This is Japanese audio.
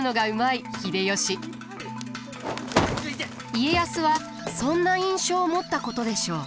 家康はそんな印象を持ったことでしょう。